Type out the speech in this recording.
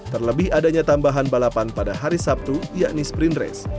terlebih adanya tambahan balapan pada hari sabtu yakni sprint race